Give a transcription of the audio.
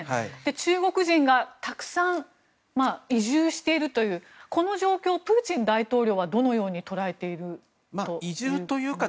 中国人がたくさん移住しているというこの状況、プーチン大統領はどのように捉えていると思いますか。